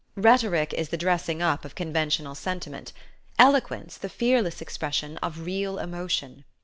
Rhetoric is the dressing up of conventional sentiment, eloquence the fearless expression of real emotion.